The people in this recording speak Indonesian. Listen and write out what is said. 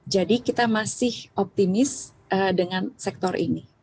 jadi kita masih optimis dengan sektor ini